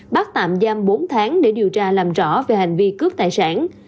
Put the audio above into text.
bắt tạm giam bốn tháng để điều tra làm rõ về hành vi cướp tài sản